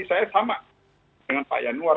saya sama dengan pak yanuar